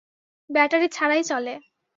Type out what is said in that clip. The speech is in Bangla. ব্যাটারি ছাড়াই চলে।